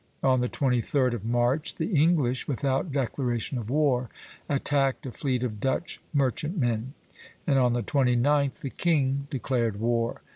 On the 23d of March the English, without declaration of war, attacked a fleet of Dutch merchantmen; and on the 29th the king declared war.